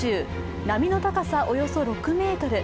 波の高さおよそ６ｍ。